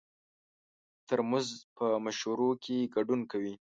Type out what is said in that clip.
ترموز په مشورو کې ګډون کوي.